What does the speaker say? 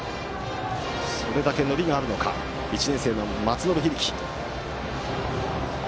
それだけ伸びがあるのかバッターは１年生の松延響。